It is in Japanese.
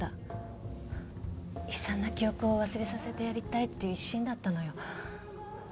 悲惨な記憶を忘れさせてやりたいっていう一心だったのよ。